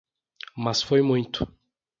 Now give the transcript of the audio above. Mas foi muito.